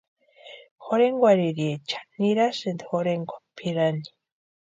Jorhenkwarhiriecha nirasïnti jorhenkwa pʼirani.